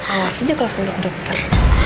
awas aja kelas tunduk dokter